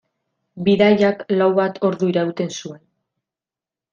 Bidaiak lau bat ordu irauten zuen.